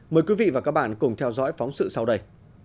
mời quý vị và các bạn cùng theo dõi phóng sự sau đây